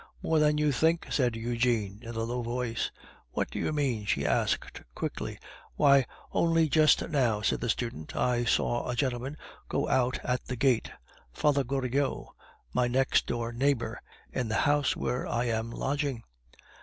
"More than you think," said Eugene, in a low voice. "What do you mean?" she asked quickly. "Why, only just now," said the student, "I saw a gentleman go out at the gate, Father Goriot, my next door neighbor in the house where I am lodging."